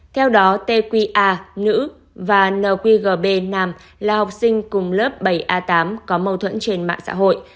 theo đó tqa nữ và nqgb nam là học sinh cùng lớp bảy a tám có mâu thuẫn trên mạng xã hội